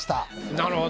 なるほど。